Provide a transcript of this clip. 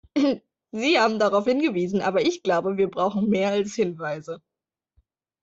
Sie haben darauf hingewiesen, aber ich glaube, wir brauchen mehr als Hinweise.